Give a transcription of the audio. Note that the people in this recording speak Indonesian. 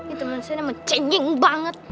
ini temen saya memang cenging banget